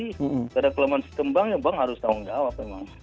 tidak ada kelemahan sistem bank ya bank harus tanggung jawab memang